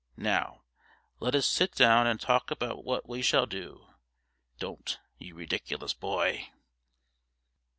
Now, let us sit down and talk about what we shall do don't, you ridiculous boy!'